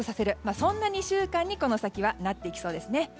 そんな２週間にこの先はなっていきそうです。